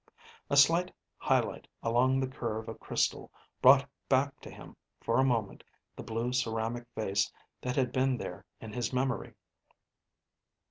A slight highlight along the curve of crystal brought back to him for a moment the blue ceramic vase that had been there in his memory.